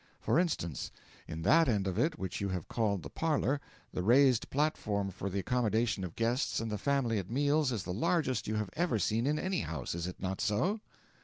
For instance, in that end of it which you have called the "parlour," the raised platform for the accommodation of guests and the family at meals is the largest you have ever seen in any house is it not so?'